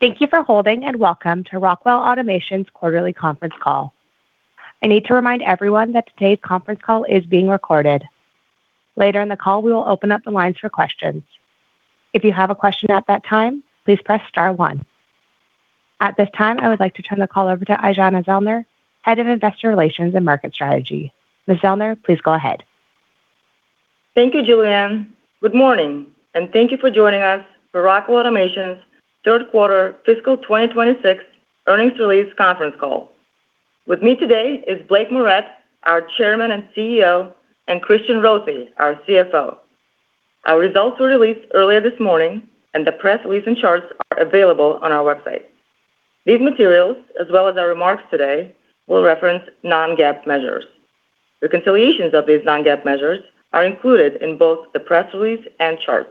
Thank you for holding, welcome to Rockwell Automation's quarterly conference call. I need to remind everyone that today's conference call is being recorded. Later in the call, we will open up the lines for questions. If you have a question at that time, please press star one. At this time, I would like to turn the call over to Aijana Zellner, Head of Investor Relations and Market Strategy. Ms. Zellner, please go ahead. Thank you, Julianne. Good morning, thank you for joining us for Rockwell Automation's third quarter fiscal 2026 earnings release conference call. With me today is Blake Moret, our Chairman and CEO, Christian Rothe, our CFO. Our results were released earlier this morning, the press release and charts are available on our website. These materials, as well as our remarks today, will reference non-GAAP measures. Reconciliations of these non-GAAP measures are included in both the press release and charts.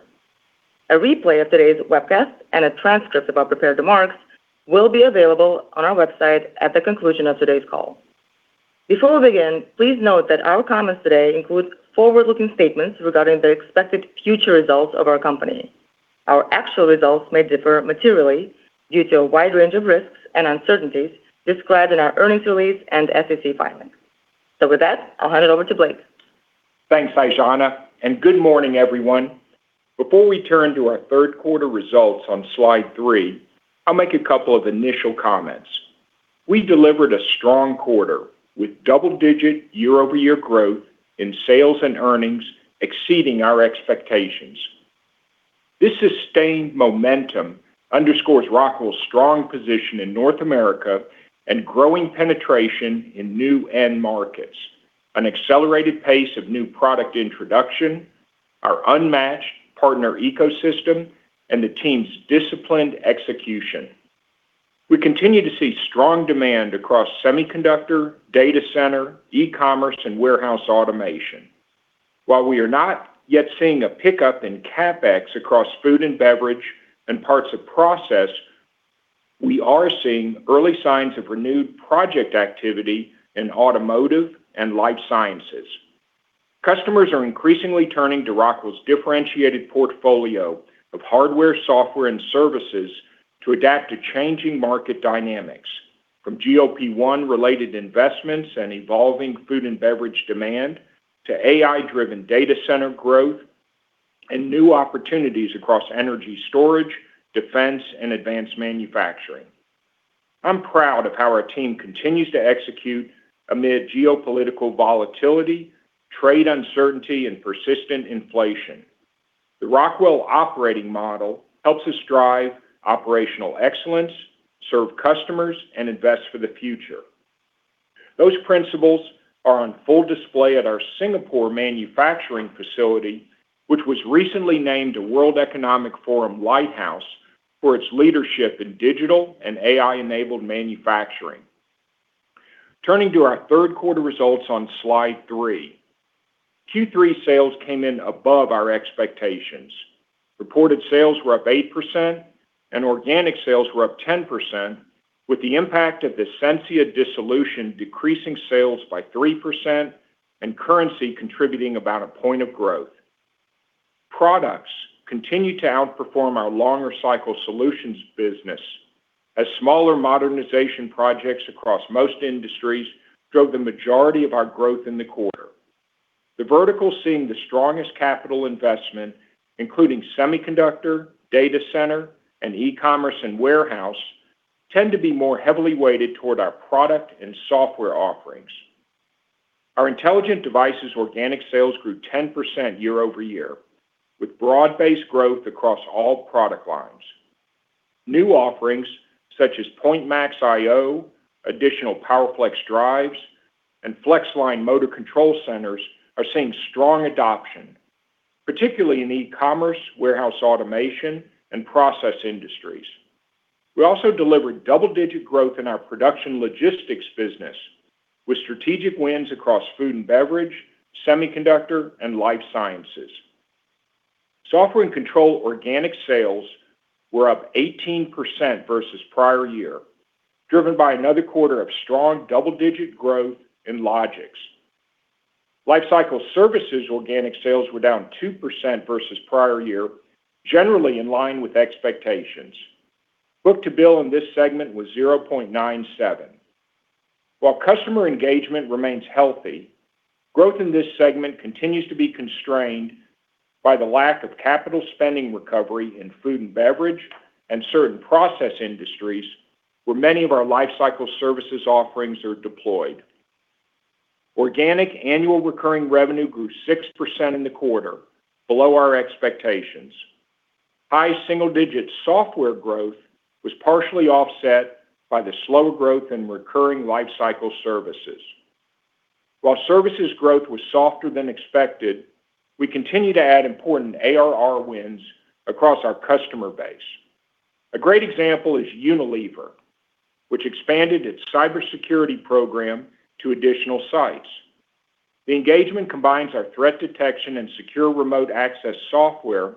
A replay of today's webcast and a transcript of our prepared remarks will be available on our website at the conclusion of today's call. Before we begin, please note that our comments today include forward-looking statements regarding the expected future results of our company. Our actual results may differ materially due to a wide range of risks and uncertainties described in our earnings release and SEC filings. With that, I'll hand it over to Blake. Thanks, Aijana, good morning, everyone. Before we turn to our third quarter results on slide three, I'll make a couple of initial comments. We delivered a strong quarter with double-digit year-over-year growth in sales and earnings exceeding our expectations. This sustained momentum underscores Rockwell's strong position in North America and growing penetration in new end markets, an accelerated pace of new product introduction, our unmatched partner ecosystem, and the team's disciplined execution. We continue to see strong demand across semiconductor, data center, e-commerce, and warehouse automation. While we are not yet seeing a pickup in CapEx across food and beverage and parts of process, we are seeing early signs of renewed project activity in automotive and life sciences. Customers are increasingly turning to Rockwell's differentiated portfolio of hardware, software, and services to adapt to changing market dynamics from GLP-1 related investments and evolving food and beverage demand to AI-driven data center growth and new opportunities across energy storage, defense, and advanced manufacturing. I'm proud of how our team continues to execute amid geopolitical volatility, trade uncertainty, and persistent inflation. The Rockwell operating model helps us drive operational excellence, serve customers, and invest for the future. Those principles are on full display at our Singapore manufacturing facility, which was recently named a World Economic Forum Lighthouse for its leadership in digital and AI-enabled manufacturing. Turning to our third quarter results on slide three, Q3 sales came in above our expectations. Reported sales were up 8%, and organic sales were up 10%, with the impact of the Sensia dissolution decreasing sales by 3% and currency contributing about a point of growth. Products continue to outperform our longer cycle solutions business as smaller modernization projects across most industries drove the majority of our growth in the quarter. The verticals seeing the strongest capital investment, including semiconductor, data center, and e-commerce and warehouse, tend to be more heavily weighted toward our product and software offerings. Our Intelligent Devices organic sales grew 10% year-over-year, with broad-based growth across all product lines. New offerings such as PointMax I/O, additional PowerFlex drives, and FLEXLINE motor control centers are seeing strong adoption, particularly in e-commerce, warehouse automation, and process industries. We also delivered double-digit growth in our production logistics business with strategic wins across food and beverage, semiconductor, and life sciences. Software & Control organic sales were up 18% versus prior year, driven by another quarter of strong double-digit growth in Logix. Lifecycle Services organic sales were down 2% versus prior year, generally in line with expectations. Book to bill in this segment was 0.97. While customer engagement remains healthy, growth in this segment continues to be constrained by the lack of capital spending recovery in food and beverage and certain process industries where many of our Lifecycle Services offerings are deployed. Organic annual recurring revenue grew 6% in the quarter, below our expectations. High single-digit software growth was partially offset by the slower growth in recurring Lifecycle Services. While services growth was softer than expected, we continue to add important ARR wins across our customer base. A great example is Unilever, which expanded its cybersecurity program to additional sites. The engagement combines our threat detection and secure remote access software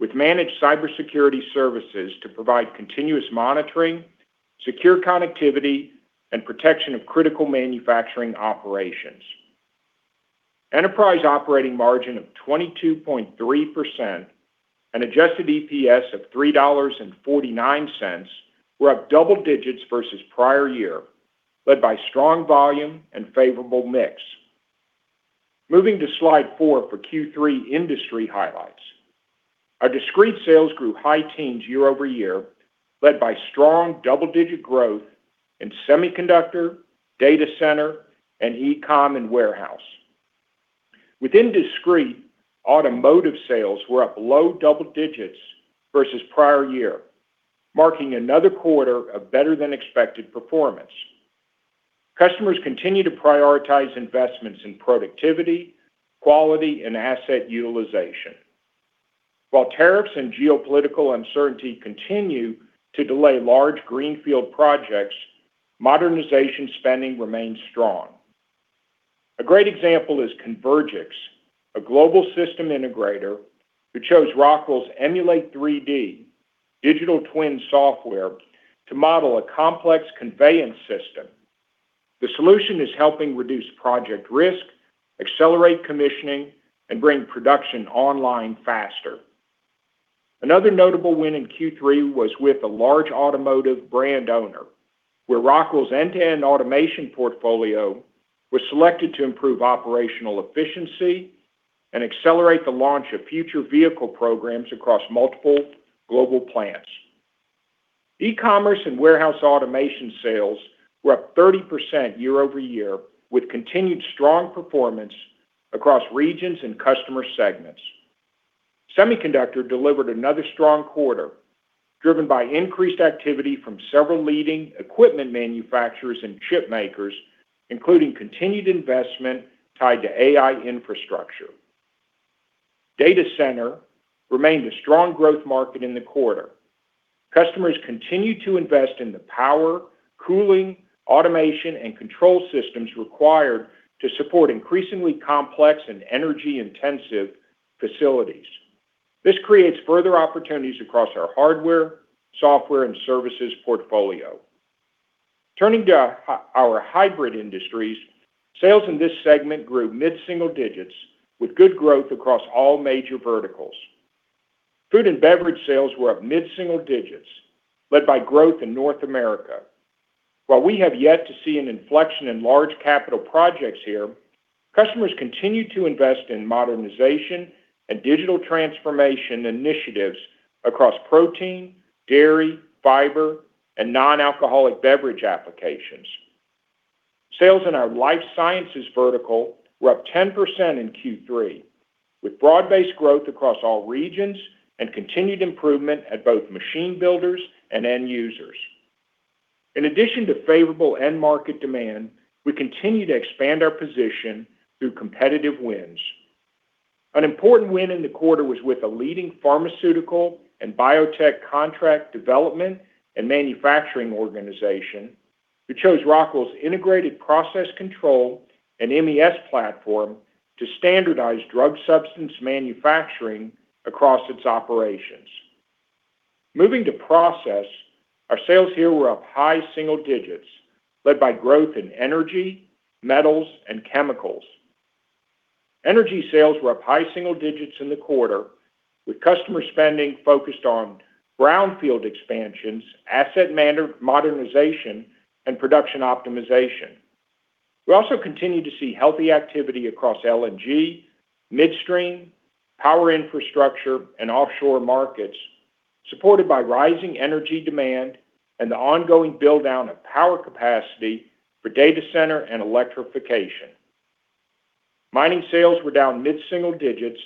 with managed cybersecurity services to provide continuous monitoring, secure connectivity, and protection of critical manufacturing operations. Enterprise operating margin of 22.3% and adjusted EPS of $3.49 were up double digits versus prior year, led by strong volume and favorable mix. Moving to slide four for Q3 industry highlights. Our discrete sales grew high teens year-over-year, led by strong double-digit growth in semiconductor, data center, and e-commerce and warehouse. Within discrete, automotive sales were up low double digits versus prior year, marking another quarter of better than expected performance. Customers continue to prioritize investments in productivity, quality, and asset utilization. While tariffs and geopolitical uncertainty continue to delay large greenfield projects, modernization spending remains strong. A great example is Convergix, a global system integrator who chose Rockwell's Emulate3D digital twin software to model a complex conveyance system. The solution is helping reduce project risk, accelerate commissioning, and bring production online faster. Another notable win in Q3 was with a large automotive brand owner, where Rockwell's end-to-end automation portfolio was selected to improve operational efficiency and accelerate the launch of future vehicle programs across multiple global plants. E-commerce and warehouse automation sales were up 30% year-over-year, with continued strong performance across regions and customer segments. Semiconductor delivered another strong quarter, driven by increased activity from several leading equipment manufacturers and chip makers, including continued investment tied to AI infrastructure. Data center remained a strong growth market in the quarter. Customers continued to invest in the power, cooling, automation, and control systems required to support increasingly complex and energy-intensive facilities. This creates further opportunities across our hardware, software, and services portfolio. Turning to our hybrid industries, sales in this segment grew mid-single digits with good growth across all major verticals. Food and beverage sales were up mid-single digits, led by growth in North America. While we have yet to see an inflection in large capital projects here, customers continued to invest in modernization and digital transformation initiatives across protein, dairy, fiber, and non-alcoholic beverage applications. Sales in our life sciences vertical were up 10% in Q3, with broad-based growth across all regions and continued improvement at both machine builders and end users. In addition to favorable end market demand, we continue to expand our position through competitive wins. An important win in the quarter was with a leading pharmaceutical and biotech contract development and manufacturing organization who chose Rockwell's integrated process control and MES platform to standardize drug substance manufacturing across its operations. Moving to process, our sales here were up high single digits, led by growth in energy, metals, and chemicals. Energy sales were up high single digits in the quarter, with customer spending focused on brownfield expansions, asset modernization, and production optimization. We also continue to see healthy activity across LNG, midstream, power infrastructure, and offshore markets, supported by rising energy demand and the ongoing build-out of power capacity for data center and electrification. Mining sales were down mid-single digits,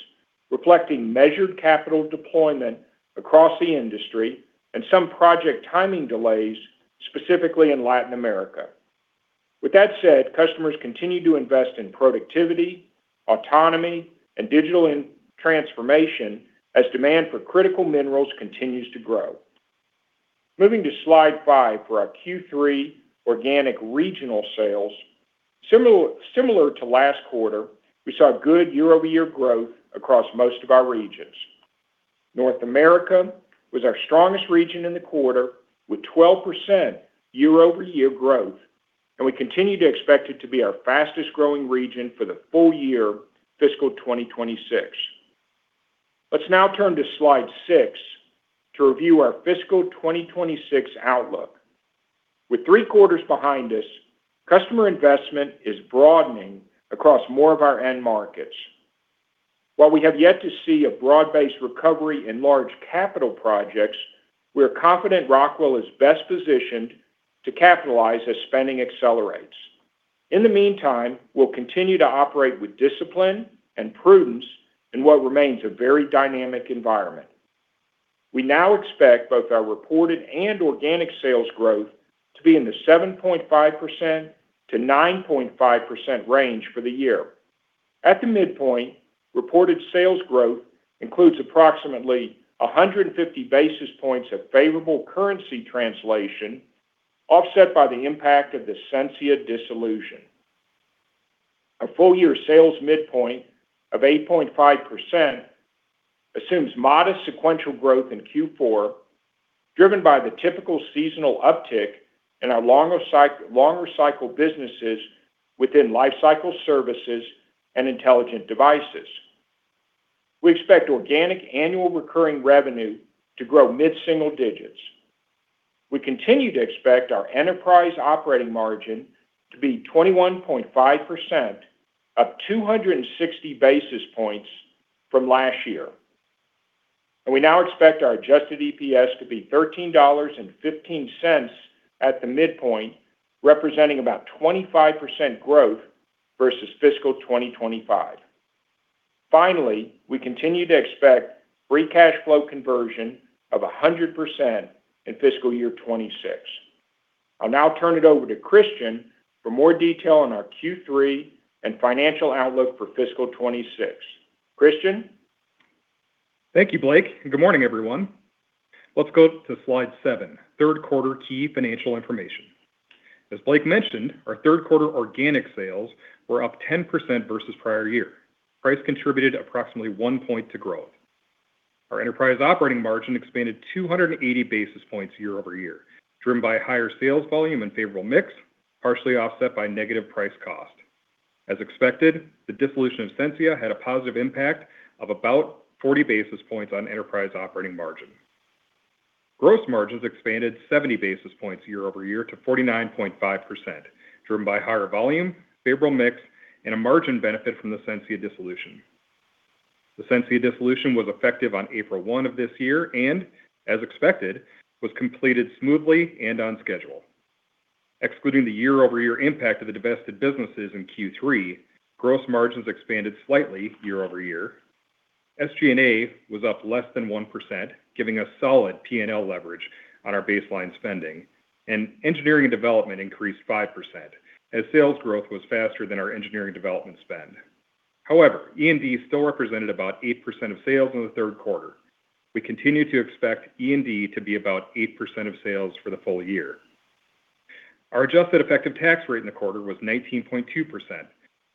reflecting measured capital deployment across the industry and some project timing delays, specifically in Latin America. With that said, customers continue to invest in productivity, autonomy, and digital transformation as demand for critical minerals continues to grow. Moving to slide five for our Q3 organic regional sales. Similar to last quarter, we saw good year-over-year growth across most of our regions. North America was our strongest region in the quarter, with 12% year-over-year growth, and we continue to expect it to be our fastest-growing region for the full year fiscal 2026. Let's now turn to slide six to review our fiscal 2026 outlook. With three quarters behind us, customer investment is broadening across more of our end markets. While we have yet to see a broad-based recovery in large capital projects, we are confident Rockwell is best positioned to capitalize as spending accelerates. In the meantime, we'll continue to operate with discipline and prudence in what remains a very dynamic environment. We now expect both our reported and organic sales growth to be in the 7.5%-9.5% range for the year. At the midpoint, reported sales growth includes approximately 150 basis points of favorable currency translation, offset by the impact of the Sensia dissolution. Our full-year sales midpoint of 8.5%. Assumes modest sequential growth in Q4, driven by the typical seasonal uptick in our longer cycle businesses within Lifecycle Services and Intelligent Devices. We expect organic annual recurring revenue to grow mid-single digits. We continue to expect our enterprise operating margin to be 21.5%, up 260 basis points from last year. We now expect our adjusted EPS to be $13.15 at the midpoint, representing about 25% growth versus fiscal 2025. We continue to expect free cash flow conversion of 100% in fiscal year 2026. I'll now turn it over to Christian for more detail on our Q3 and financial outlook for fiscal 2026. Christian? Thank you, Blake, and good morning, everyone. Let's go to slide seven, third quarter key financial information. As Blake mentioned, our third quarter organic sales were up 10% versus prior year. Price contributed approximately one point to growth. Our enterprise operating margin expanded 280 basis points year-over-year, driven by higher sales volume and favorable mix, partially offset by negative price cost. As expected, the dissolution of Sensia had a positive impact of about 40 basis points on enterprise operating margin. Gross margins expanded 70 basis points year-over-year to 49.5%, driven by higher volume, favorable mix, and a margin benefit from the Sensia dissolution. The Sensia dissolution was effective on April 1 of this year, and as expected, was completed smoothly and on schedule. Excluding the year-over-year impact of the divested businesses in Q3, gross margins expanded slightly year-over-year. SG&A was up less than 1%, giving us solid P&L leverage on our baseline spending. Engineering development increased 5%, as sales growth was faster than our engineering development spend. However, E&D still represented about 8% of sales in the third quarter. We continue to expect E&D to be about 8% of sales for the full year. Our adjusted effective tax rate in the quarter was 19.2%,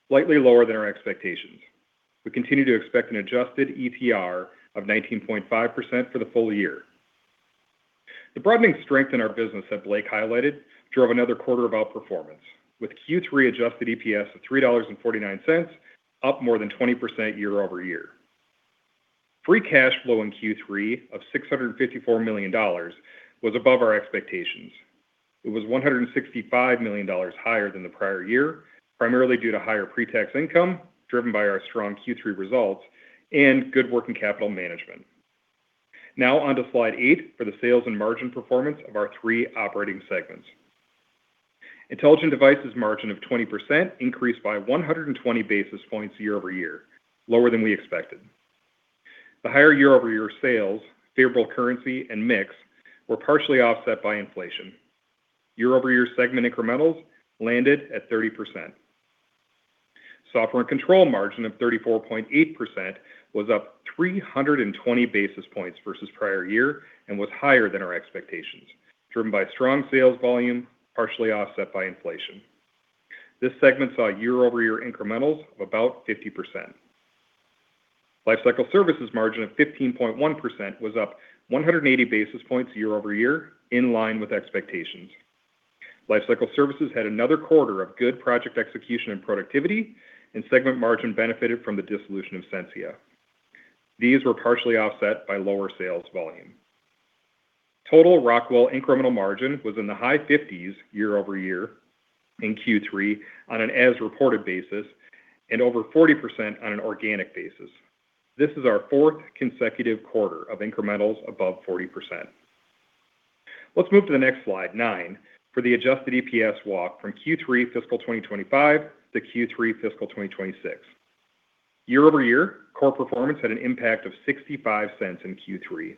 slightly lower than our expectations. We continue to expect an adjusted ETR of 19.5% for the full year. The broadening strength in our business that Blake highlighted drove another quarter of outperformance, with Q3 adjusted EPS of $3.49, up more than 20% year-over-year. Free cash flow in Q3 of $654 million was above our expectations. It was $165 million higher than the prior year, primarily due to higher pre-tax income, driven by our strong Q3 results and good working capital management. Now on to slide eight for the sales and margin performance of our three operating segments. Intelligent Devices margin of 20% increased by 120 basis points year-over-year, lower than we expected. The higher year-over-year sales, favorable currency, and mix were partially offset by inflation. Year-over-year segment incrementals landed at 30%. Software & Control margin of 34.8% was up 320 basis points versus prior year and was higher than our expectations, driven by strong sales volume, partially offset by inflation. This segment saw year-over-year incrementals of about 50%. Lifecycle Services margin of 15.1% was up 180 basis points year-over-year, in line with expectations. Lifecycle Services had another quarter of good project execution and productivity, and segment margin benefited from the dissolution of Sensia. These were partially offset by lower sales volume. Total Rockwell incremental margin was in the high 50s year-over-year in Q3 on an as-reported basis and over 40% on an organic basis. This is our fourth consecutive quarter of incrementals above 40%. Let's move to the next slide nine for the adjusted EPS walk from Q3 fiscal 2025 to Q3 fiscal 2026. Year-over-year, core performance had an impact of $0.65 in Q3.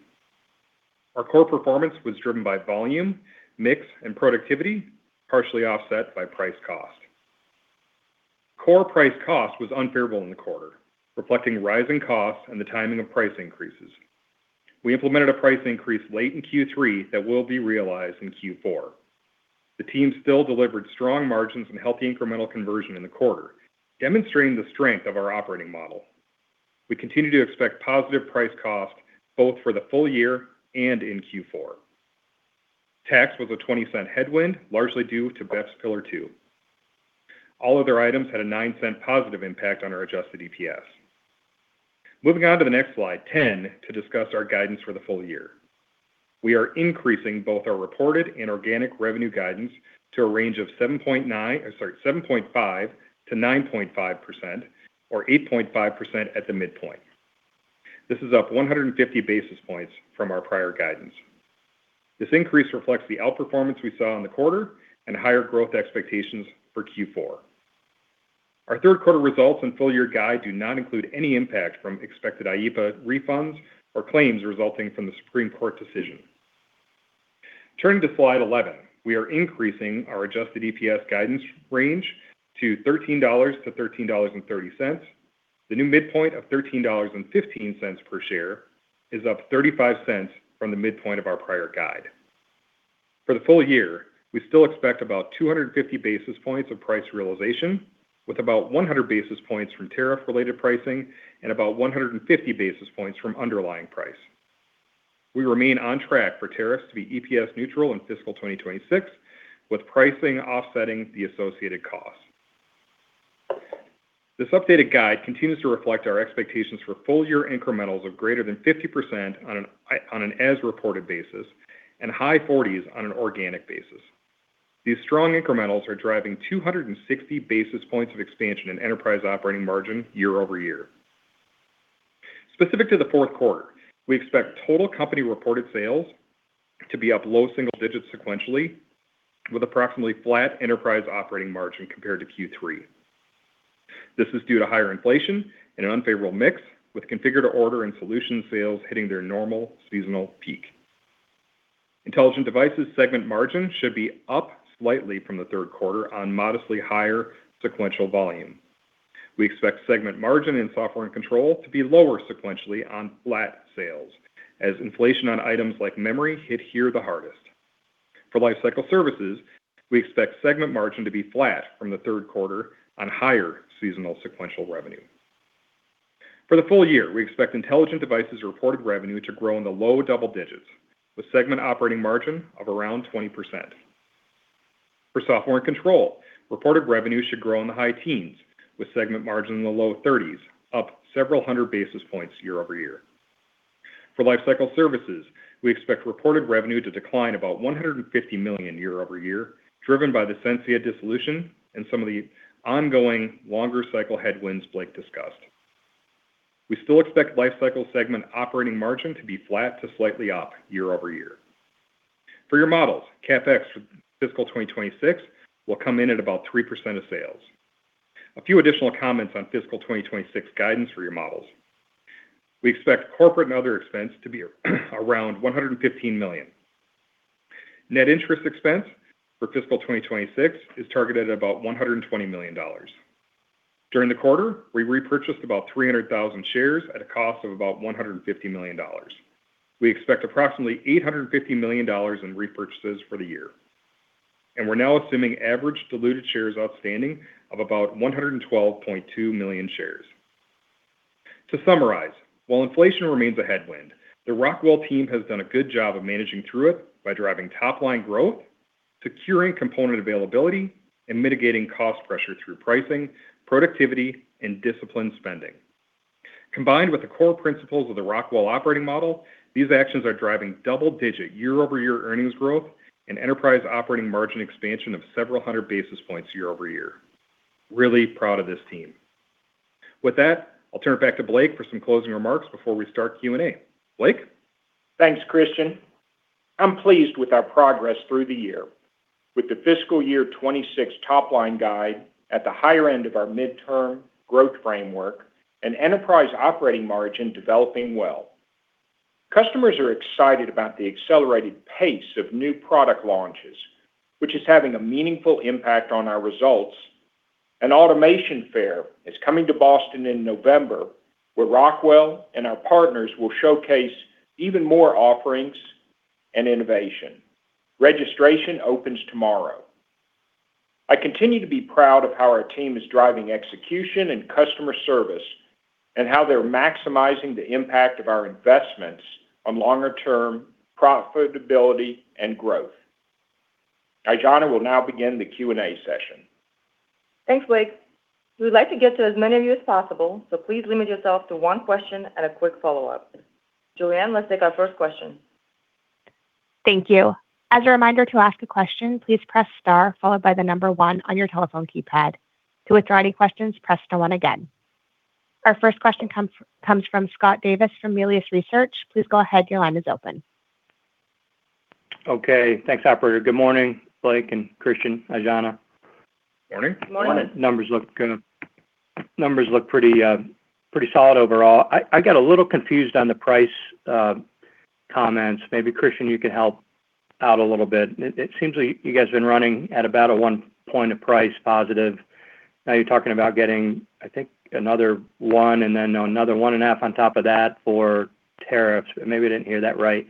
Our core performance was driven by volume, mix, and productivity, partially offset by price cost. Core price cost was unfavorable in the quarter, reflecting rising costs and the timing of price increases. We implemented a price increase late in Q3 that will be realized in Q4. The team still delivered strong margins and healthy incremental conversion in the quarter, demonstrating the strength of our operating model. We continue to expect positive price cost both for the full year and in Q4. Tax was a $0.20 headwind, largely due to BEPS Pillar Two. All other items had a $0.09 positive impact on our adjusted EPS. Moving on to the next slide 10 to discuss our guidance for the full year. We are increasing both our reported and organic revenue guidance to a range of 7.5%-9.5%, or 8.5% at the midpoint. This is up 150 basis points from our prior guidance. This increase reflects the outperformance we saw in the quarter and higher growth expectations for Q4. Our third quarter results and full-year guide do not include any impact from expected IEPA refunds or claims resulting from the Supreme Court decision. Turning to slide 11. We are increasing our adjusted EPS guidance range to $13-$13.30. The new midpoint of $13.15 per share is up $0.35 from the midpoint of our prior guide. For the full year, we still expect about 250 basis points of price realization, with about 100 basis points from tariff-related pricing and about 150 basis points from underlying price. We remain on track for tariffs to be EPS neutral in fiscal 2026, with pricing offsetting the associated costs. This updated guide continues to reflect our expectations for full-year incrementals of greater than 50% on an as-reported basis and high 40s on an organic basis. These strong incrementals are driving 260 basis points of expansion in enterprise operating margin year-over-year. Specific to the fourth quarter, we expect total company reported sales to be up low single digits sequentially, with approximately flat enterprise operating margin compared to Q3. This is due to higher inflation and an unfavorable mix, with configure-to-order and solution sales hitting their normal seasonal peak. Intelligent Devices segment margin should be up slightly from the third quarter on modestly higher sequential volume. We expect segment margin in Software & Control to be lower sequentially on flat sales, as inflation on items like memory hit here the hardest. For Lifecycle Services, we expect segment margin to be flat from the third quarter on higher seasonal sequential revenue. For the full year, we expect Intelligent Devices reported revenue to grow in the low double digits, with segment operating margin of around 20%. For Software & Control, reported revenue should grow in the high teens, with segment margin in the low 30s, up several hundred basis points year-over-year. For Lifecycle Services, we expect reported revenue to decline about $150 million year-over-year, driven by the Sensia dissolution and some of the ongoing longer cycle headwinds Blake discussed. We still expect Lifecycle segment operating margin to be flat to slightly up year-over-year. For your models, CapEx for fiscal 2026 will come in at about 3% of sales. A few additional comments on fiscal 2026 guidance for your models. We expect corporate and other expense to be around $115 million. Net interest expense for fiscal 2026 is targeted at about $120 million. During the quarter, we repurchased about 300,000 shares at a cost of about $150 million. We expect approximately $850 million in repurchases for the year, and we're now assuming average diluted shares outstanding of about 112.2 million shares. To summarize, while inflation remains a headwind, the Rockwell team has done a good job of managing through it by driving top-line growth, securing component availability, and mitigating cost pressure through pricing, productivity, and disciplined spending. Combined with the core principles of the Rockwell operating model, these actions are driving double-digit year-over-year earnings growth and enterprise operating margin expansion of several hundred basis points year-over-year. Really proud of this team. With that, I'll turn it back to Blake for some closing remarks before we start Q&A. Blake? Thanks, Christian. I'm pleased with our progress through the year. With the fiscal year 2026 top-line guide at the higher end of our midterm growth framework and enterprise operating margin developing well. Customers are excited about the accelerated pace of new product launches, which is having a meaningful impact on our results. Automation Fair is coming to Boston in November, where Rockwell and our partners will showcase even more offerings and innovation. Registration opens tomorrow. I continue to be proud of how our team is driving execution and customer service, and how they're maximizing the impact of our investments on longer-term profitability and growth. Aijana will now begin the Q&A session. Thanks, Blake. We would like to get to as many of you as possible, so please limit yourself to one question and a quick follow-up. Julianne, let's take our first question. Thank you. As a reminder to ask a question, please press star followed by the number one on your telephone keypad. To withdraw any questions, press star one again. Our first question comes from Scott Davis from Melius Research. Please go ahead. Your line is open. Okay, thanks, operator. Good morning, Blake and Christian, Aijana. Morning. Morning Morning. Numbers look pretty solid overall. I got a little confused on the price comments. Maybe Christian, you could help out a little bit. It seems like you guys have been running at about a 1% of price positive. Now you're talking about getting, I think, another 1% And then another 1.5% on top of that for tariffs. Maybe I didn't hear that right.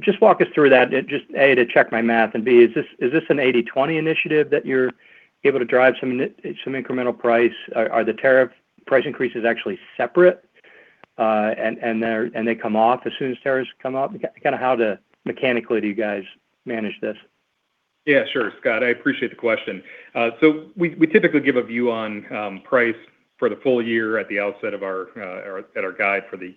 Just walk us through that, just A, to check my math, and B, is this an 80/20 initiative that you're able to drive some incremental price? Are the tariff price increases actually separate, and they come off as soon as tariffs come up? Kind of how to mechanically do you guys manage this? Yeah, sure, Scott. I appreciate the question. We typically give a view on price for the full year at the outset of our guide for the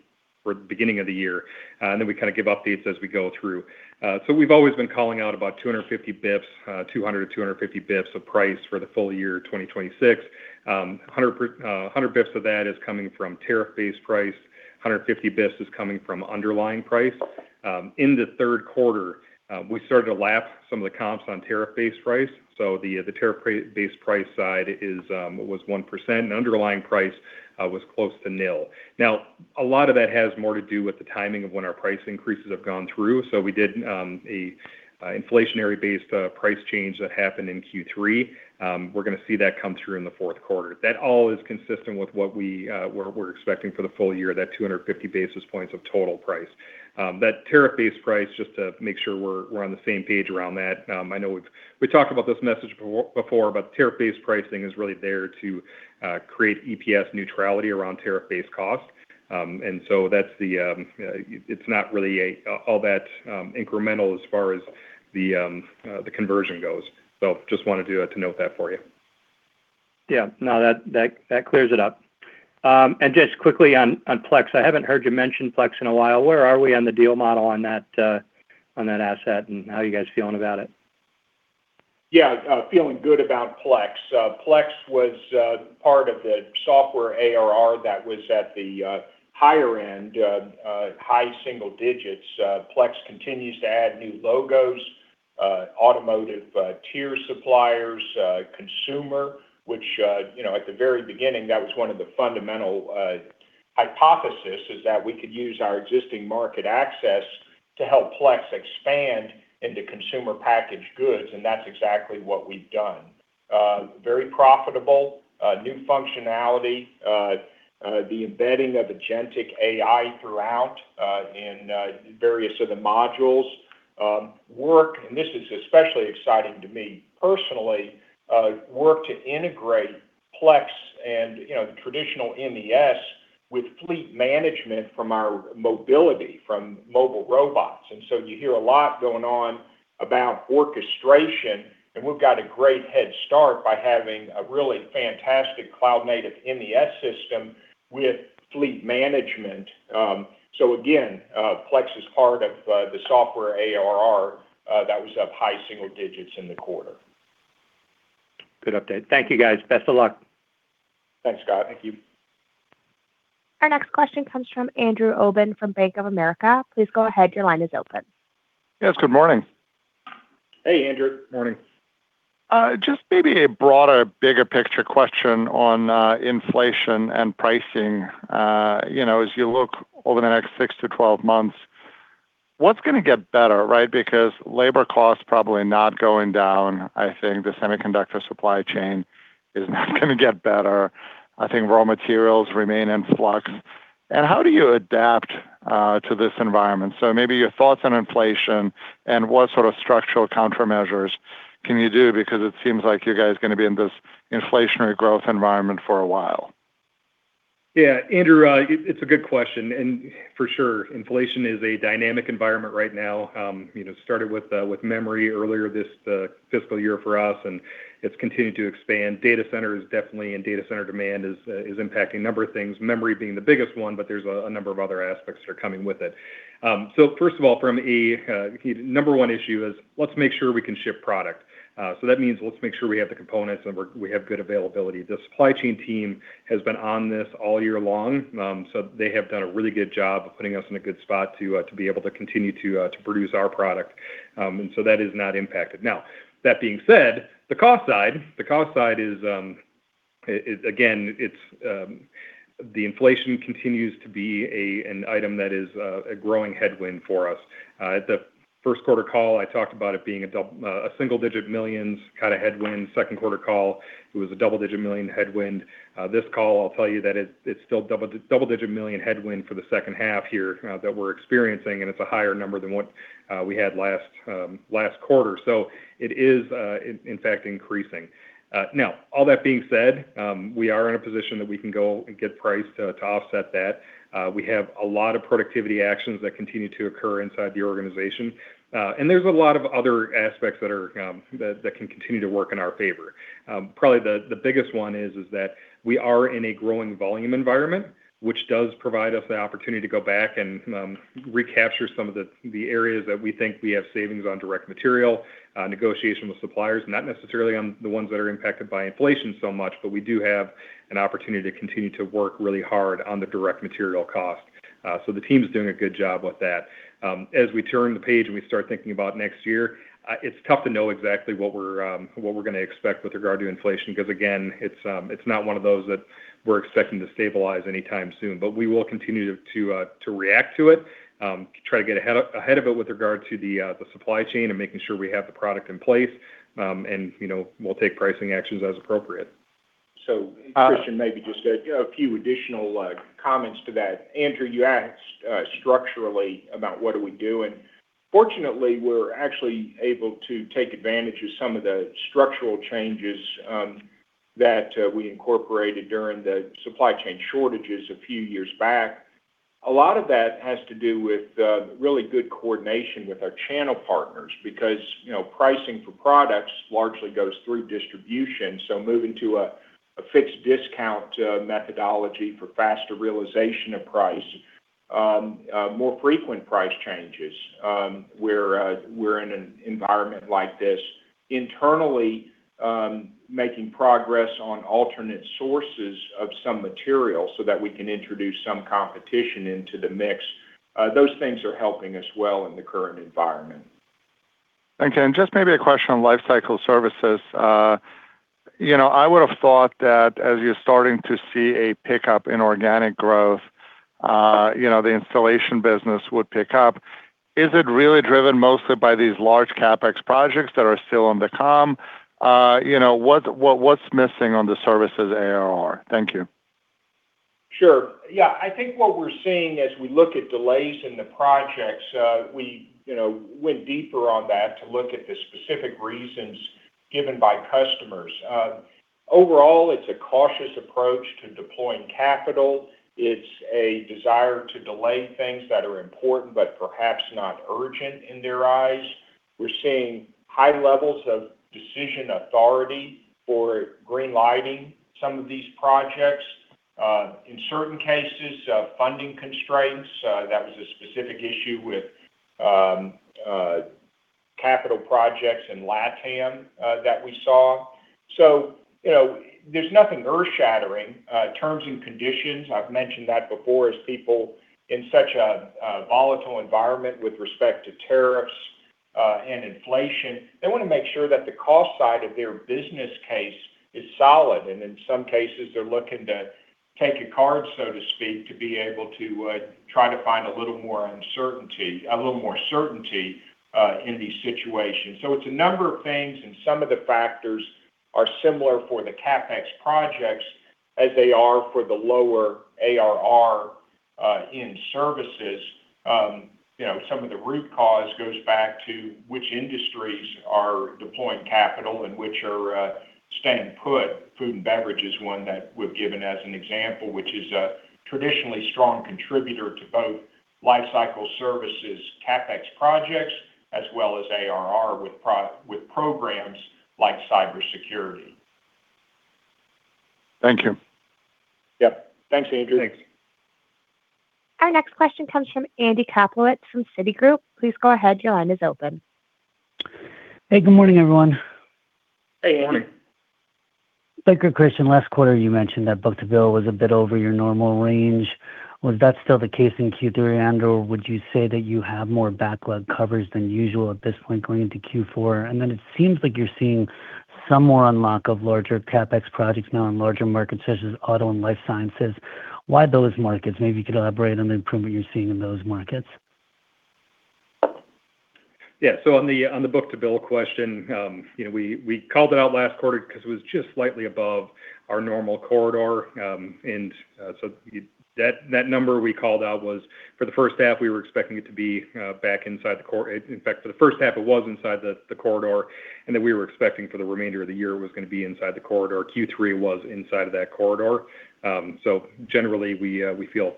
beginning of the year, then we kind of give updates as we go through. We've always been calling out about 200 to 250 basis points of price for the full year 2026. 100 basis points of that is coming from tariff-based price, 150 basis points is coming from underlying price. In the third quarter, we started to lap some of the comps on tariff-based price. The tariff-based price side was 1%, and underlying price was close to nil. A lot of that has more to do with the timing of when our price increases have gone through. We did an inflationary-based price change that happened in Q3. We're going to see that come through in the fourth quarter. That all is consistent with what we're expecting for the full year, that 250 basis points of total price. That tariff-based price, just to make sure we're on the same page around that, I know we've talked about this message before, tariff-based pricing is really there to create EPS neutrality around tariff-based cost. It's not really all that incremental as far as the conversion goes. Just wanted to note that for you. Yeah. No, that clears it up. Just quickly on Plex, I haven't heard you mention Plex in a while. Where are we on the deal model on that asset, and how are you guys feeling about it? Yeah. Feeling good about Plex. Plex was part of the software ARR that was at the higher end, high single digits. Plex continues to add new logos, automotive tier suppliers, consumer, which at the very beginning, that was one of the fundamental hypothesis, is that we could use our existing market access to help Plex expand into consumer packaged goods, and that's exactly what we've done. Very profitable. New functionality. The embedding of agentic AI throughout in various of the modules. Work, and this is especially exciting to me personally, work to integrate Plex and the traditional MES with fleet management from our mobility, from mobile robots. You hear a lot going on about orchestration, and we've got a great head start by having a really fantastic cloud-native MES system with fleet management. Again, Plex is part of the software ARR that was up high single digits in the quarter. Good update. Thank you, guys. Best of luck. Thanks, Scott. Thank you. Our next question comes from Andrew Obin from Bank of America. Please go ahead, your line is open. Yes, good morning. Hey, Andrew. Good morning. Maybe a broader, bigger picture question on inflation and pricing. As you look over the next 6-12 months, what's going to get better, right? Labor cost, probably not going down. I think the semiconductor supply chain is not going to get better. I think raw materials remain in flux. How do you adapt to this environment? Maybe your thoughts on inflation and what sort of structural countermeasures can you do, because it seems like you guys are going to be in this inflationary growth environment for a while. Andrew, it's a good question. For sure, inflation is a dynamic environment right now. Started with memory earlier this fiscal year for us, and it's continued to expand. Data center demand is impacting a number of things, memory being the biggest one, but there's a number of other aspects that are coming with it. First of all, from a number one issue is let's make sure we can ship product. That means let's make sure we have the components and we have good availability. The supply chain team has been on this all year long, they have done a really good job of putting us in a good spot to be able to continue to produce our product. That is not impacted. Now, that being said, the cost side. The cost side is, again, the inflation continues to be an item that is a growing headwind for us. At the first quarter call, I talked about it being a single-digit millions kind of headwind. Second quarter call, it was a double-digit million headwind. This call, I'll tell you that it's still double-digit million headwind for the second half here that we're experiencing, and it's a higher number than what we had last quarter. It is, in fact, increasing. Now, all that being said, we are in a position that we can go and get price to offset that. We have a lot of productivity actions that continue to occur inside the organization. There's a lot of other aspects that can continue to work in our favor. Probably the biggest one is that we are in a growing volume environment, which does provide us the opportunity to go back and recapture some of the areas that we think we have savings on direct material, negotiation with suppliers, not necessarily on the ones that are impacted by inflation so much, but we do have an opportunity to continue to work really hard on the direct material cost. The team's doing a good job with that. As we turn the page and we start thinking about next year, it's tough to know exactly what we're going to expect with regard to inflation, because again, it's not one of those that we're expecting to stabilize anytime soon. We will continue to react to it, try to get ahead of it with regard to the supply chain and making sure we have the product in place, and we'll take pricing actions as appropriate. Christian, maybe just a few additional comments to that. Andrew, you asked structurally about what are we doing. Fortunately, we're actually able to take advantage of some of the structural changes that we incorporated during the supply chain shortages a few years back. A lot of that has to do with really good coordination with our channel partners because pricing for products largely goes through distribution. Moving to a fixed discount methodology for faster realization of price. More frequent price changes where we're in an environment like this. Internally, making progress on alternate sources of some material so that we can introduce some competition into the mix. Those things are helping us well in the current environment. Thank you. Just maybe a question on Lifecycle Services. I would've thought that as you're starting to see a pickup in organic growth, the installation business would pick up. Is it really driven mostly by these large CapEx projects that are still on the come? What's missing on the services ARR? Thank you. Sure. Yeah. I think what we're seeing as we look at delays in the projects, we went deeper on that to look at the specific reasons given by customers. Overall, it's a cautious approach to deploying capital. It's a desire to delay things that are important, but perhaps not urgent in their eyes. We're seeing high levels of decision authority for green-lighting some of these projects. In certain cases, funding constraints. That was a specific issue with capital projects in LATAM that we saw. There's nothing earth-shattering. Terms and conditions, I've mentioned that before, as people in such a volatile environment with respect to tariffs and inflation, they want to make sure that the cost side of their business case is solid. In some cases, they're looking to take a pause, so to speak, to be able to try to find a little more certainty in these situations. It's a number of things, and some of the factors are similar for the CapEx projects as they are for the lower ARR in services. Some of the root cause goes back to which industries are deploying capital and which are staying put. Food and beverage is one that we've given as an example, which is a traditionally strong contributor to both Lifecycle Services CapEx projects, as well as ARR with programs like cybersecurity. Thank you. Yep. Thanks, Andrew. Thanks. Our next question comes from Andy Kaplowitz from Citigroup. Please go ahead, your line is open. Hey, good morning, everyone. Hey, Andy. Blake or Christian, last quarter you mentioned that book-to-bill was a bit over your normal range. Was that still the case in Q3? Or would you say that you have more backlog coverage than usual at this point going into Q4? It seems like you're seeing some more unlock of larger CapEx projects now in larger markets such as OTTO and life sciences. Why those markets? Maybe you could elaborate on the improvement you're seeing in those markets. On the book-to-bill question, we called it out last quarter because it was just slightly above our normal corridor. That number we called out was for the first half, we were expecting it to be back inside the corridor. In fact, for the first half, it was inside the corridor, we were expecting for the remainder of the year it was going to be inside the corridor. Q3 was inside of that corridor. Generally, we feel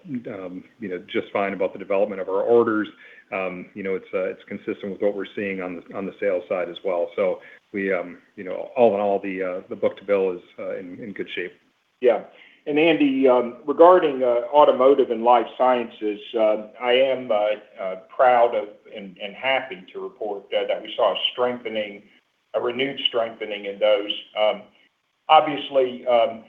just fine about the development of our orders. It's consistent with what we're seeing on the sales side as well. All in all, the book-to-bill is in good shape. Andy, regarding automotive and life sciences, I am proud of and happy to report that we saw a renewed strengthening in those. Obviously,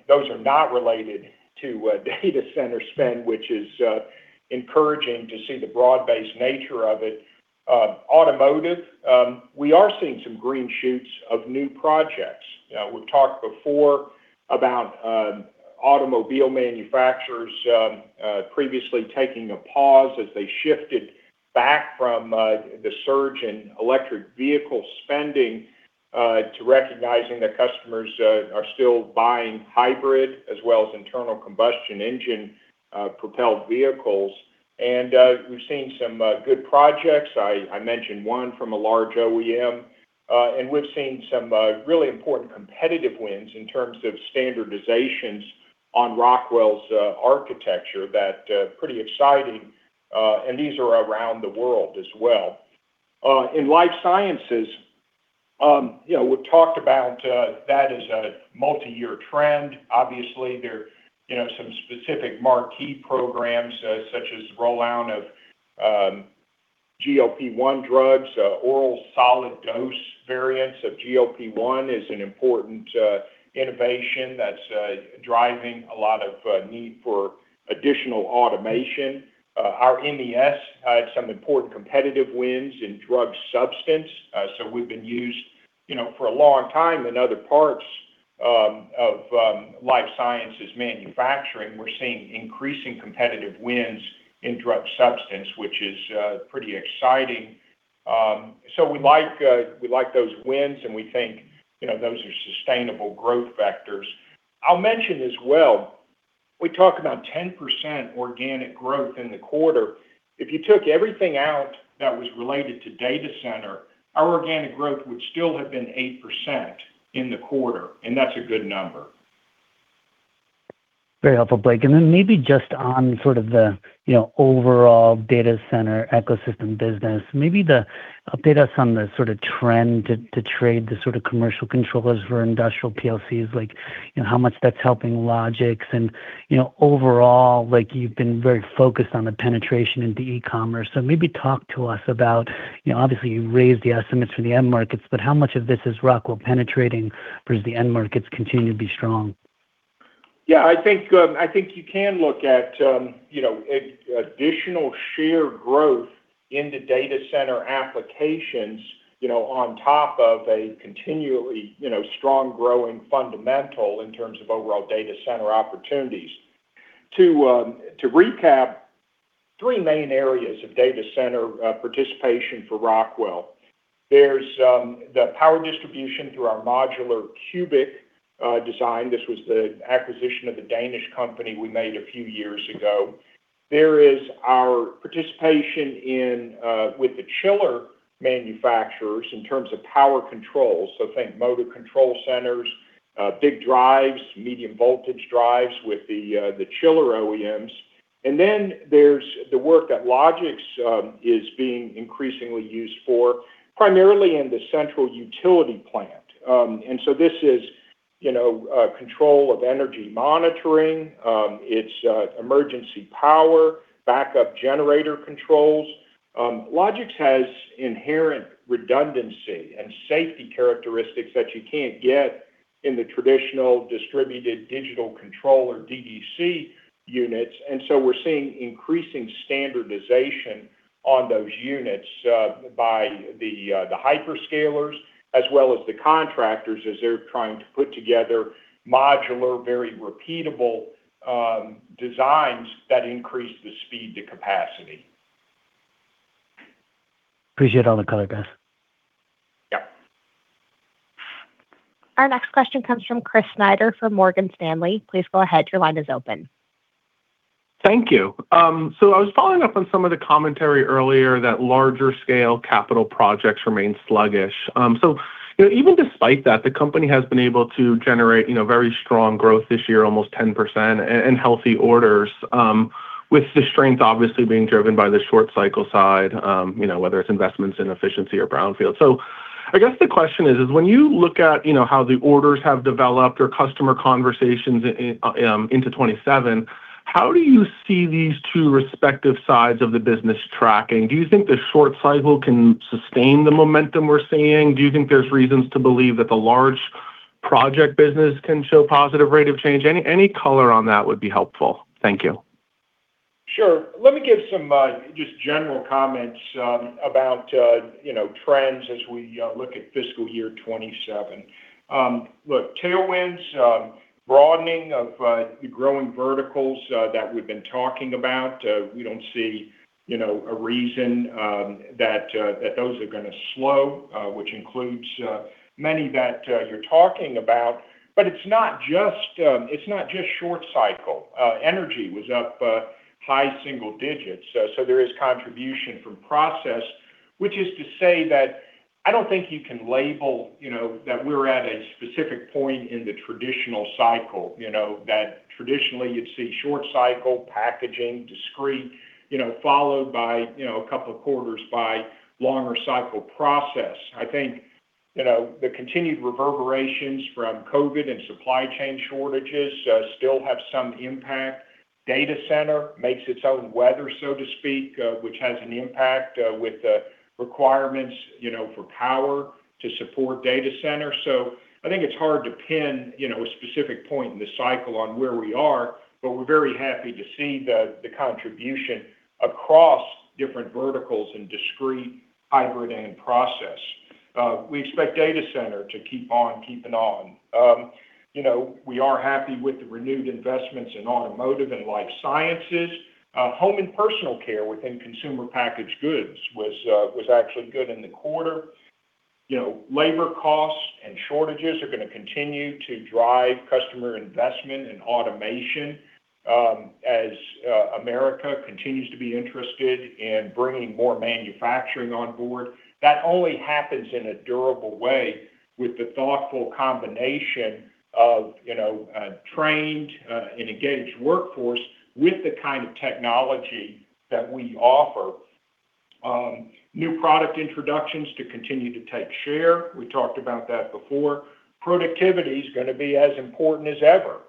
those are not related to data center spend, which is encouraging to see the broad-based nature of it. Automotive, we are seeing some green shoots of new projects. We've talked before about automobile manufacturers previously taking a pause as they shifted back from the surge in electric vehicle spending to recognizing that customers are still buying hybrid as well as internal combustion engine-propelled vehicles. We've seen some good projects. I mentioned one from a large OEM. We've seen some really important competitive wins in terms of standardizations on Rockwell's architecture that are pretty exciting. These are around the world as well. In life sciences, we've talked about that as a multi-year trend. Obviously, there are some specific marquee programs, such as rollout of GLP-1 drugs. Oral solid dose variants of GLP-1 is an important innovation that's driving a lot of need for additional automation. Our MES had some important competitive wins in drug substance. We've been used for a long time in other parts of life sciences manufacturing. We're seeing increasing competitive wins in drug substance, which is pretty exciting. We like those wins, and we think those are sustainable growth vectors. I'll mention as well, we talk about 10% organic growth in the quarter. If you took everything out that was related to data center, our organic growth would still have been 8% in the quarter, that's a good number. Very helpful, Blake. Maybe just on sort of the overall data center ecosystem business, maybe update us on the sort of trend to trade the sort of commercial controllers for industrial PLCs, like how much that's helping Logix and overall, you've been very focused on the penetration into e-commerce. Maybe talk to us about, obviously, you've raised the estimates for the end markets, but how much of this is Rockwell penetrating versus the end markets continue to be strong? I think you can look at additional sheer growth in the data center applications on top of a continually strong growing fundamental in terms of overall data center opportunities. To recap, three main areas of data center participation for Rockwell. There's the power distribution through our modular cubic design. This was the acquisition of the Danish company we made a few years ago. There is our participation with the chiller manufacturers in terms of power controls. Think motor control centers, big drives, medium voltage drives with the chiller OEMs. There's the work that Logix is being increasingly used for, primarily in the central utility plant. This is control of energy monitoring. It's emergency power, backup generator controls. Logix has inherent redundancy and safety characteristics that you can't get in the traditional distributed digital controller, DDC, units. We're seeing increasing standardization on those units by the hyperscalers as well as the contractors as they're trying to put together modular, very repeatable designs that increase the speed to capacity. Appreciate all the color, guys. Yep. Our next question comes from Chris Snyder from Morgan Stanley. Please go ahead. Your line is open. Thank you. I was following up on some of the commentary earlier that larger scale capital projects remain sluggish. Even despite that, the company has been able to generate very strong growth this year, almost 10%, and healthy orders, with the strength obviously being driven by the short cycle side, whether it's investments in efficiency or brownfield. I guess the question is, when you look at how the orders have developed or customer conversations into 2027, how do you see these two respective sides of the business tracking? Do you think the short cycle can sustain the momentum we're seeing? Do you think there's reasons to believe that the large project business can show positive rate of change? Any color on that would be helpful. Thank you. Sure. Let me give some just general comments about trends as we look at fiscal year 2027. Look, tailwinds, broadening of the growing verticals that we've been talking about. We don't see a reason that those are going to slow, which includes many that you're talking about. It's not just short cycle. Energy was up high single digits. There is contribution from process, which is to say that I don't think you can label that we're at a specific point in the traditional cycle, that traditionally you'd see short cycle, packaging, discrete, followed by a couple of quarters by longer cycle process. I think the continued reverberations from COVID and supply chain shortages still have some impact. Data center makes its own weather, so to speak, which has an impact with requirements for power to support data center. I think it's hard to pin a specific point in the cycle on where we are, but we're very happy to see the contribution across different verticals in discrete, hybrid, and process. We expect data center to keep on keeping on. We are happy with the renewed investments in automotive and life sciences. Home and personal care within consumer packaged goods was actually good in the quarter. Labor costs and shortages are going to continue to drive customer investment in automation as America continues to be interested in bringing more manufacturing on board. That only happens in a durable way with the thoughtful combination of a trained and engaged workforce with the kind of technology that we offer. New product introductions to continue to take share. We talked about that before. Productivity is going to be as important as ever,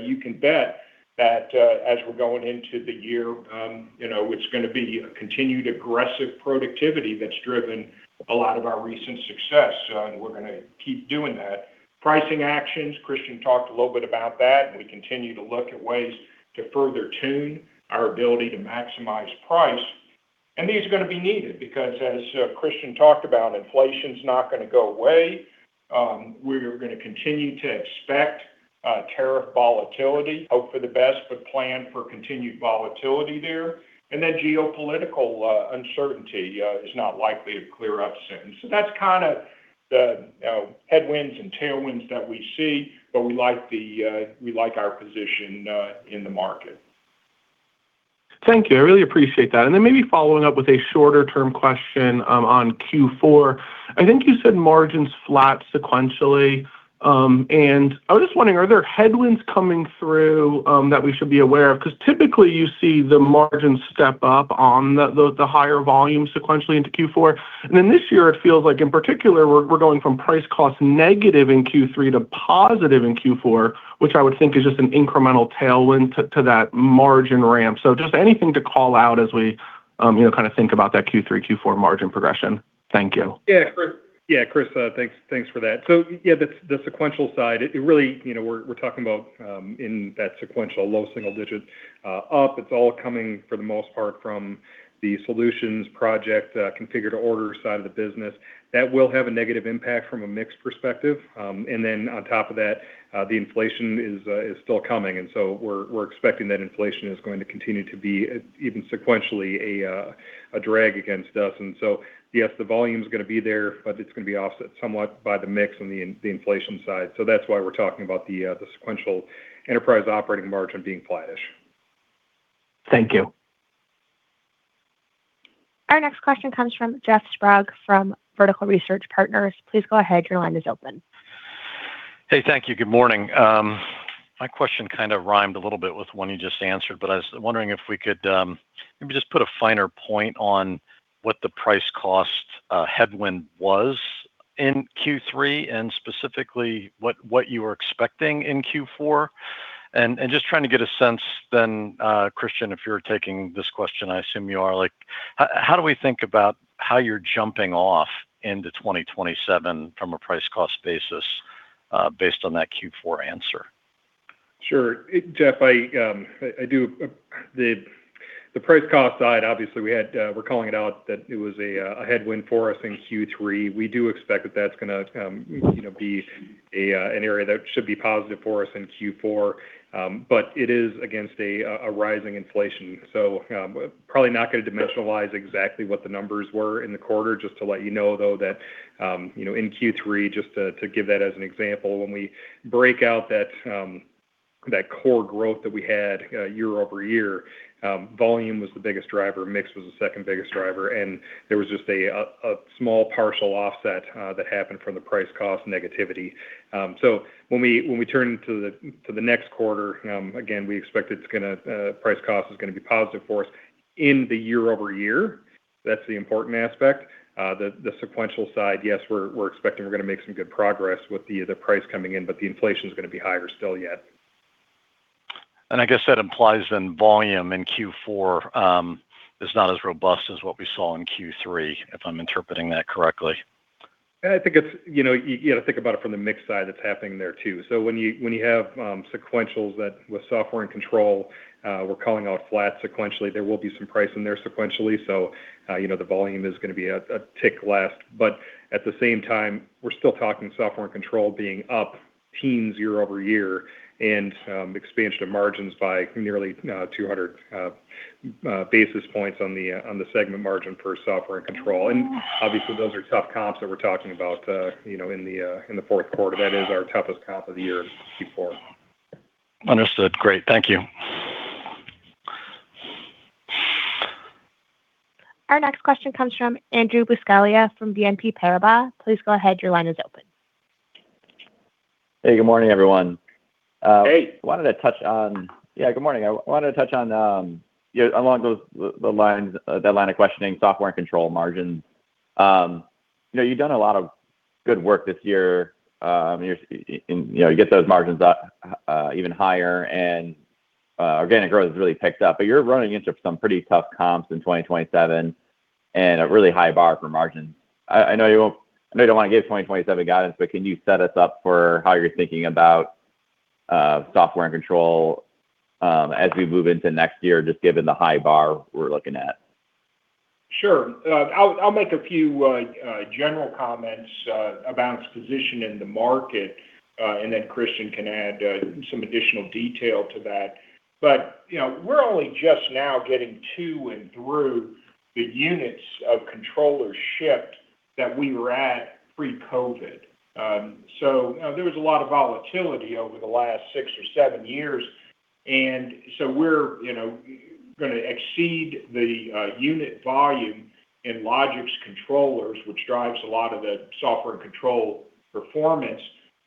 you can bet that as we're going into the year, it's going to be a continued aggressive productivity that's driven a lot of our recent success, and we're going to keep doing that. Pricing actions, Christian talked a little bit about that. We continue to look at ways to further tune our ability to maximize price. These are going to be needed because as Christian talked about, inflation's not going to go away. We're going to continue to expect tariff volatility, hope for the best, but plan for continued volatility there. That geopolitical uncertainty is not likely to clear up soon. That's kind of the headwinds and tailwinds that we see, but we like our position in the market. Thank you. I really appreciate that. Maybe following up with a shorter-term question on Q4. I think you said margins flat sequentially. I was just wondering, are there headwinds coming through that we should be aware of? Because typically you see the margins step up on the higher volume sequentially into Q4. This year it feels like in particular, we're going from price cost negative in Q3 to positive in Q4, which I would think is just an incremental tailwind to that margin ramp. Just anything to call out as we kind of think about that Q3, Q4 margin progression. Thank you. Yeah, Chris, thanks for that. Yeah, the sequential side, really we're talking about in that sequential low single digit up. It's all coming for the most part from the solutions project, configure to order side of the business. That will have a negative impact from a mix perspective. On top of that, the inflation is still coming. We're expecting that inflation is going to continue to be, even sequentially, a drag against us. Yes, the volume's going to be there, but it's going to be offset somewhat by the mix on the inflation side. That's why we're talking about the sequential enterprise operating margin being flattish. Thank you. Our next question comes from Jeff Sprague from Vertical Research Partners. Please go ahead, your line is open. Hey, thank you. Good morning. My question kind of rhymed a little bit with one you just answered. I was wondering if we could maybe just put a finer point on what the price cost headwind was in Q3, specifically what you were expecting in Q4. Just trying to get a sense then, Christian, if you're taking this question, I assume you are. How do we think about how you're jumping off into 2027 from a price cost basis, based on that Q4 answer? Sure. Jeff, the price cost side, obviously, we're calling it out that it was a headwind for us in Q3. We do expect that that's going to be an area that should be positive for us in Q4, it is against a rising inflation. Probably not going to dimensionalize exactly what the numbers were in the quarter. Just to let you know, though, that in Q3, just to give that as an example, when we break out that core growth that we had year-over-year, volume was the biggest driver, mix was the second-biggest driver, and there was just a small partial offset that happened from the price cost negativity. When we turn to the next quarter, again, we expect price cost is going to be positive for us in the year-over-year. That's the important aspect. The sequential side, yes, we're expecting we're going to make some good progress with the price coming in, the inflation's going to be higher still yet. I guess that implies volume in Q4 is not as robust as what we saw in Q3, if I'm interpreting that correctly. You got to think about it from the mix side that's happening there, too. When you have sequentials that with Software & Control, we're calling out flat sequentially, there will be some price in there sequentially. The volume is going to be a tick less. At the same time, we're still talking Software & Control being up teens year-over-year, and expansion of margins by nearly 200 basis points on the segment margin for Software & Control. Obviously those are tough comps that we're talking about in the fourth quarter. That is our toughest comp of the year to four. Understood. Great. Thank you. Our next question comes from Andrew Buscaglia from BNP Paribas. Please go ahead, your line is open. Hey. Good morning, everyone. Hey. Yeah, good morning. I wanted to touch on along the line of questioning Software & Control margins. You've done a lot of good work this year. You get those margins up even higher, and organic growth has really picked up. You're running into some pretty tough comps in 2027 and a really high bar for margins. I know you don't want to give 2027 guidance, but can you set us up for how you're thinking about Software & Control as we move into next year, just given the high bar we're looking at? Sure. I'll make a few general comments about its position in the market, and then Christian can add some additional detail to that. We're only just now getting to and through the units of controllers shipped that we were at pre-COVID. There was a lot of volatility over the last six or seven years, and we're going to exceed the unit volume in Logix controllers, which drives a lot of the Software & Control performance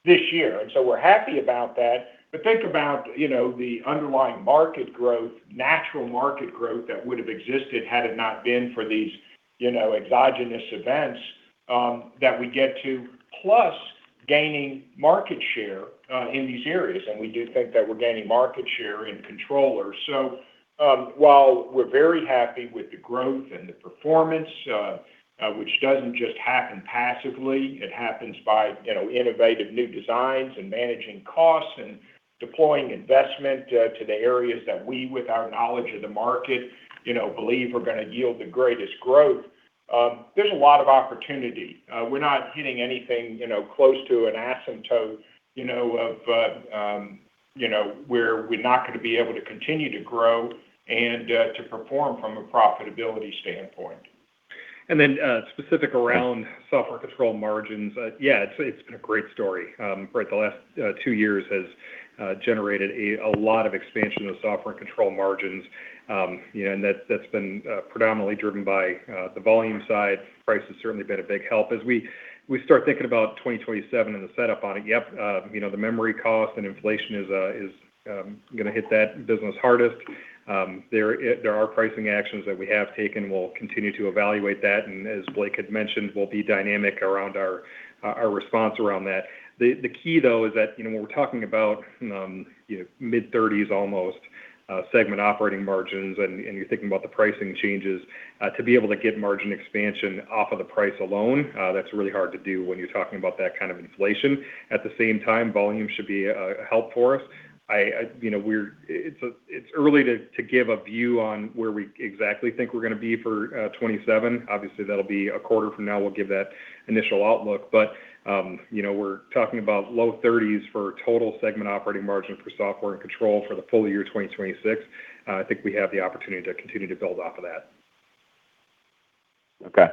this year. We're happy about that. Think about the underlying market growth, natural market growth that would have existed had it not been for these exogenous events that we get to, plus gaining market share in these areas. We do think that we're gaining market share in controllers. While we're very happy with the growth and the performance, which doesn't just happen passively, it happens by innovative new designs and managing costs and deploying investment to the areas that we, with our knowledge of the market, believe are going to yield the greatest growth. There's a lot of opportunity. We're not hitting anything close to an asymptote where we're not going to be able to continue to grow and to perform from a profitability standpoint. Then specific around Software & Control margins, yeah, it's been a great story, right? The last two years has generated a lot of expansion of Software & Control margins. That's been predominantly driven by the volume side. Price has certainly been a big help. As we start thinking about 2027 and the setup on it, yep, the memory cost and inflation is going to hit that business hardest. There are pricing actions that we have taken. We'll continue to evaluate that, and as Blake had mentioned, we'll be dynamic around our response around that. The key, though, is that when we're talking about mid-30s almost segment operating margins, and you're thinking about the pricing changes, to be able to get margin expansion off of the price alone, that's really hard to do when you're talking about that kind of inflation. At the same time, volume should be a help for us. It's early to give a view on where we exactly think we're going to be for 2027. Obviously, that'll be a quarter from now, we'll give that initial outlook. We're talking about low 30s for total segment operating margin for Software & Control for the full year 2026. I think we have the opportunity to continue to build off of that. Okay.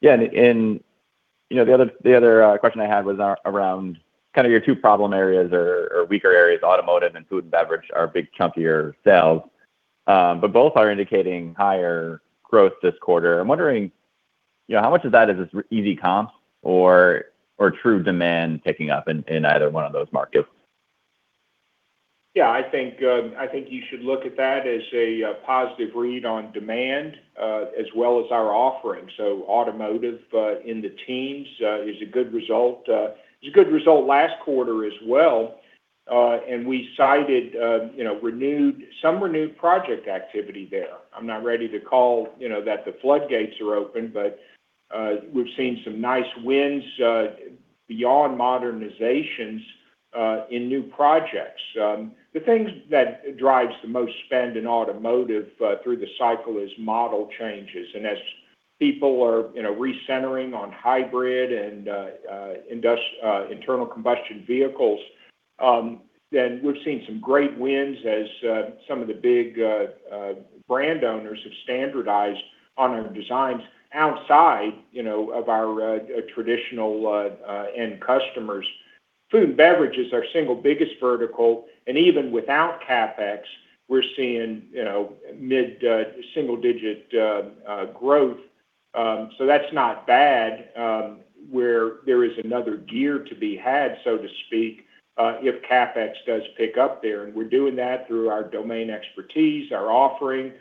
Yeah. The other question I had was around your two problem areas or weaker areas, automotive and food and beverage are big chunkier sales. Both are indicating higher growth this quarter. I'm wondering, how much of that is just easy comps or true demand picking up in either one of those markets? Yeah, I think you should look at that as a positive read on demand, as well as our offering. Automotive in the teens is a good result. It was a good result last quarter as well. We cited some renewed project activity there. I'm not ready to call that the floodgates are open, but we've seen some nice wins beyond modernizations in new projects. The things that drives the most spend in automotive through the cycle is model changes. As people are recentering on hybrid and internal combustion vehicles, then we've seen some great wins as some of the big brand owners have standardized on our designs outside of our traditional end customers. Food and beverages are our single biggest vertical, and even without CapEx, we're seeing mid-single digit growth. That's not bad, where there is another gear to be had, so to speak, if CapEx does pick up there. We're doing that through our domain expertise, our offering.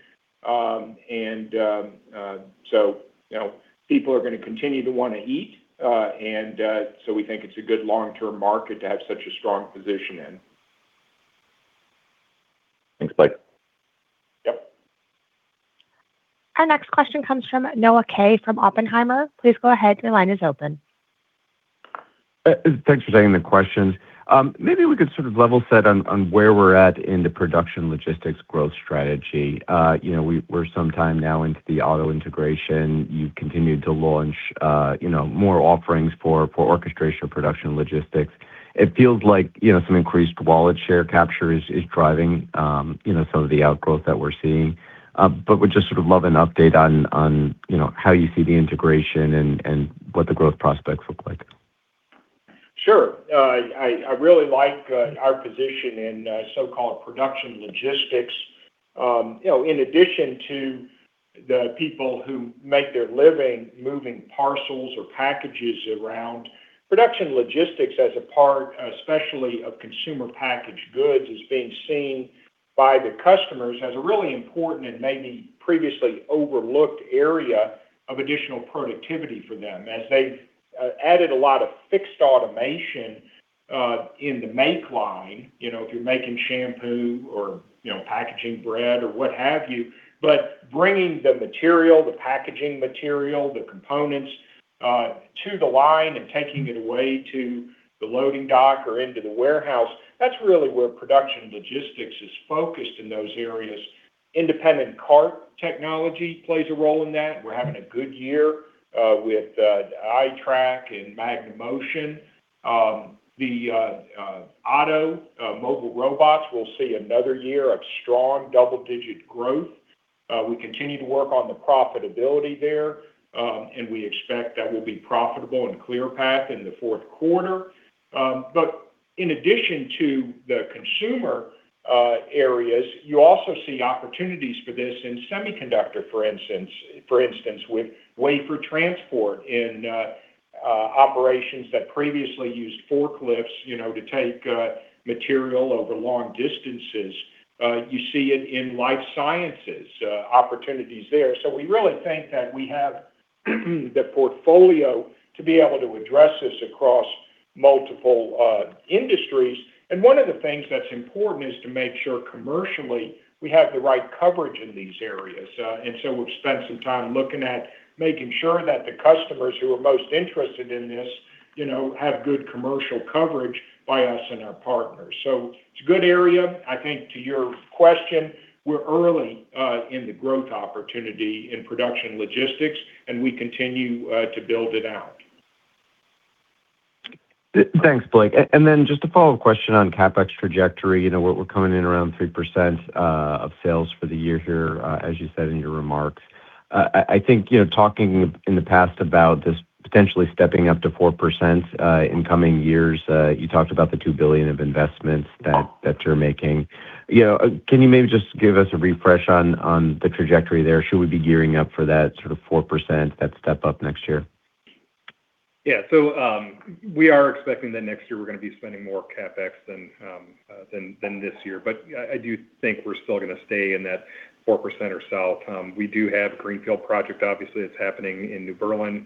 People are going to continue to want to eat. We think it's a good long-term market to have such a strong position in. Thanks, Blake. Yep. Our next question comes from Noah Kaye from Oppenheimer. Please go ahead. Your line is open. Thanks for taking the questions. Maybe we could sort of level set on where we're at in the production logistics growth strategy. We're some time now into the OTTO integration. You've continued to launch more offerings for orchestration of production logistics. It feels like some increased wallet share capture is driving some of the outgrowth that we're seeing. Would just sort of love an update on how you see the integration and what the growth prospects look like. Sure. I really like our position in so-called production logistics. In addition to the people who make their living moving parcels or packages around, production logistics as a part, especially of consumer packaged goods, is being seen by the customers as a really important and maybe previously overlooked area of additional productivity for them. As they've added a lot of fixed automation in the make line, if you're making shampoo or packaging bread or what have you, but bringing the material, the packaging material, the components to the line and taking it away to the loading dock or into the warehouse, that's really where production logistics is focused in those areas. Independent cart technology plays a role in that. We're having a good year with iTRAK and MagneMotion. The OTTO mobile robots will see another year of strong double-digit growth. We continue to work on the profitability there. We expect that we'll be profitable in Clearpath in the fourth quarter. In addition to the consumer areas, you also see opportunities for this in semiconductor, for instance, with wafer transport in operations that previously used forklifts to take material over long distances. You see it in life sciences, opportunities there. We really think that we have the portfolio to be able to address this across multiple industries. One of the things that's important is to make sure commercially we have the right coverage in these areas. We've spent some time looking at making sure that the customers who are most interested in this have good commercial coverage by us and our partners. It's a good area. I think to your question, we're early in the growth opportunity in production logistics, and we continue to build it out. Thanks, Blake. Just a follow-up question on CapEx trajectory. We're coming in around 3% of sales for the year here, as you said in your remarks. I think talking in the past about this potentially stepping up to 4% in coming years, you talked about the $2 billion of investments that you're making. Can you maybe just give us a refresh on the trajectory there? Should we be gearing up for that sort of 4%, that step up next year? Yeah. We are expecting that next year, we're going to be spending more CapEx than this year. I do think we're still going to stay in that 4% or south. We do have a greenfield project, obviously, that's happening in New Berlin,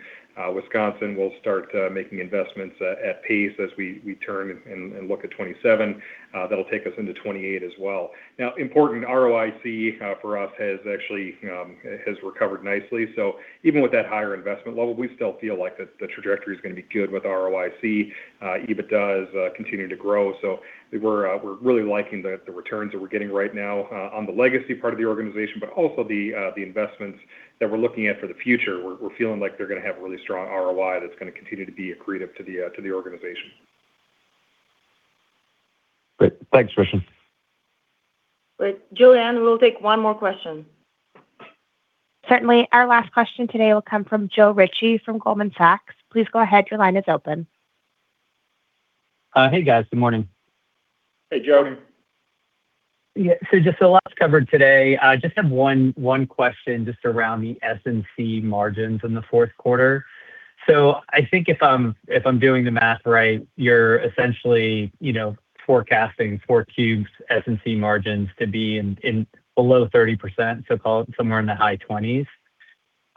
Wisconsin. Will start making investments at pace as we turn and look at 2027. That'll take us into 2028 as well. Important ROIC for us has actually recovered nicely. Even with that higher investment level, we still feel like the trajectory is going to be good with ROIC. EBITDA is continuing to grow. We're really liking the returns that we're getting right now on the legacy part of the organization, but also the investments that we're looking at for the future. We're feeling like they're going to have a really strong ROI that's going to continue to be accretive to the organization. Great. Thanks, Christian. Julianne, we'll take one more question. Certainly. Our last question today will come from Joe Ritchie from Goldman Sachs. Please go ahead. Your line is open. Hey, guys. Good morning. Hey, Joe. Just the last covered today, just have one question just around the S&C margins in the fourth quarter. I think if I'm doing the math right, you're essentially forecasting for Q4's S&C margins to be in below 30%, call it somewhere in the high 20s.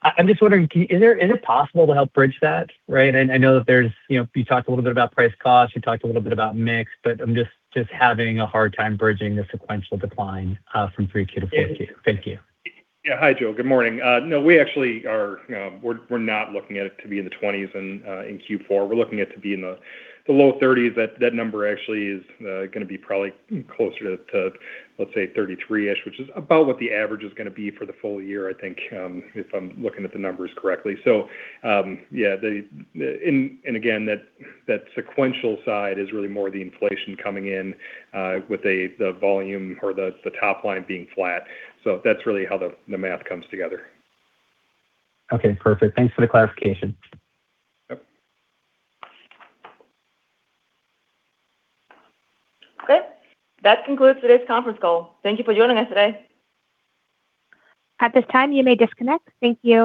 I'm just wondering, is it possible to help bridge that, right? I know that you talked a little bit about price cost, you talked a little bit about mix, I'm just having a hard time bridging the sequential decline from 3Q to 4Q. Thank you. Hi, Joe. Good morning. We're not looking at it to be in the 20s in Q4. We're looking at to be in the low 30s. That number actually is going to be probably closer to, let's say 33-ish, which is about what the average is going to be for the full year, I think, if I'm looking at the numbers correctly. Yeah. Again, that sequential side is really more the inflation coming in with the volume or the top line being flat. That's really how the math comes together. Perfect. Thanks for the clarification. Yep. Great. That concludes today's conference call. Thank you for joining us today. At this time, you may disconnect. Thank you